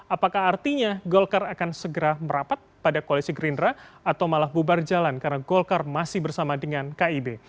apakah artinya golkar akan segera merapat pada koalisi gerindra atau malah bubar jalan karena golkar masih bersama dengan kib